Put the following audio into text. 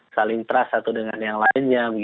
saling trust satu dengan yang lainnya